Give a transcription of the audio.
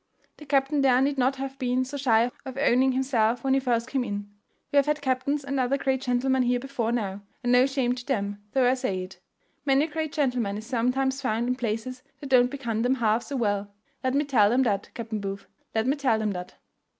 The captain there need not have been so shy of owning himself when he first came in; we have had captains and other great gentlemen here before now; and no shame to them, though I say it. Many a great gentleman is sometimes found in places that don't become them half so well, let me tell them that, Captain Booth, let me tell them that."